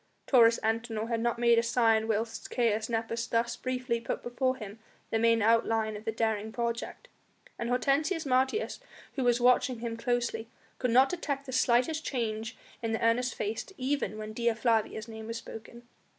Taurus Antinor had not made a sign whilst Caius Nepos thus briefly put before him the main outline of the daring project, and Hortensius Martius, who was watching him closely, could not detect the slightest change in the earnest face even when Dea Flavia's name was spoken.